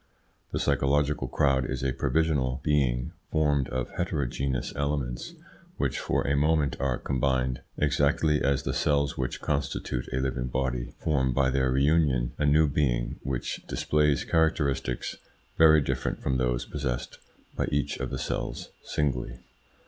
The psychological crowd is a provisional being formed of heterogeneous elements, which for a moment are combined, exactly as the cells which constitute a living body form by their reunion a new being which displays characteristics very different from those possessed by each of the cells singly.